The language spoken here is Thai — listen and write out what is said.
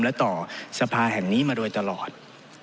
และต่อสภาแห่งนี้มาโดยตลอด